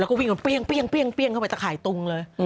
แล้วก็วิ่งกันเปรี้ยงเข้าไปตะข่ายตุงเลย